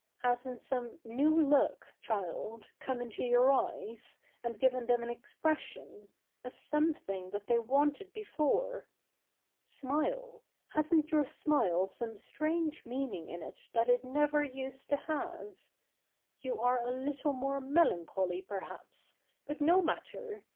Hasn't some new look, child, come into your eyes, and given them an expression — a something that they wanted before ? Smile. Hasn't your smile some strange meaning in it that it never used to have ? You are a little more melancholy, perhaps. But no matter.